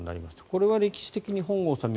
これは歴史的に本郷さん